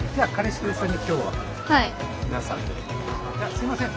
すいません